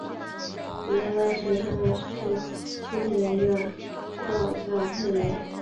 李家道是三国时期兴起的一个道教派别。